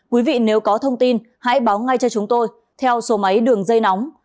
quý vị nếu có thông tin hãy báo ngay cho chúng tôi theo số máy đường dây nóng sáu mươi chín hai trăm ba mươi bốn